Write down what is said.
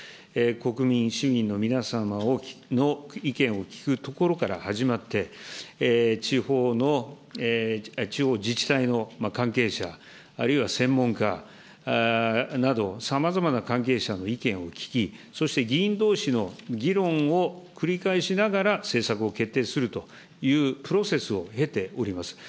国民、市民の皆様の意見を聞くところから始まって、地方の、地方自治体の関係者、あるいは専門家など、さまざまな関係者の意見を聞き、そして、議員どうしの議論を繰り返しながら政策を決定するというプロセスを経ております。